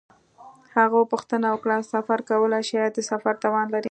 هغه پوښتنه وکړه: سفر کولای شې؟ آیا د سفر توان لرې؟